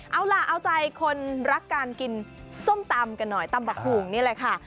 เอาล่ะเอาใจคนรักการกินส้มตำกันหน่อยตำบักหุงนี่แหละค่ะ